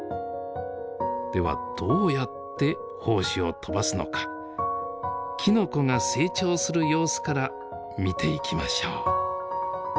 ではどうやって胞子を飛ばすのかきのこが成長する様子から見ていきましょう。